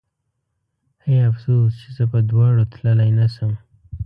هی افسوس چې زه په دواړو تللی نه شم